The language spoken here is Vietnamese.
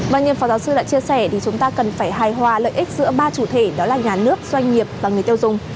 vâng như phó giáo sư đã chia sẻ thì chúng ta cần phải hài hòa lợi ích giữa ba chủ thể đó là nhà nước doanh nghiệp và người tiêu dùng